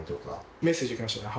メッセージが来ましたよ。